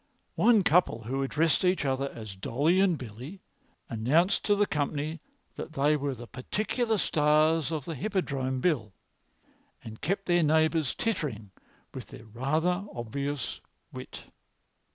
One couple, who addressed each other as Dolly and Billy, announced to the company that they were the particular stars of the Hippodrome bill, and kept their neighbours tittering with their rather obvious wit.